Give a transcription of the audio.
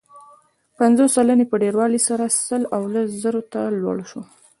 پنځوس سلنې په ډېروالي سره سل او لس زرو ته لوړ شو.